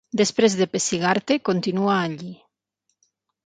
Després de pessigar-te continua allí.